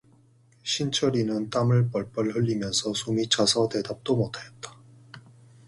신철이는 땀을 뻘뻘 흘리면서 숨이 차서 대답도 못 하였다.